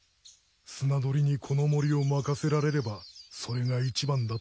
スナドリにこの森を任せられればそれが一番だってな。